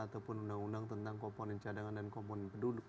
ataupun undang undang tentang komponen cadangan dan komponen penduduk